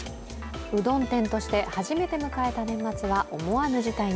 うどん店として初めて迎えた年末は思わぬ事態に。